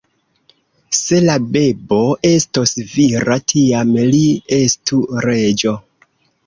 Se la bebo estos vira, tiam li estu reĝo.